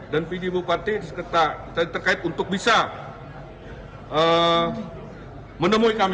dan pd bupati terkait untuk bisa menemui kami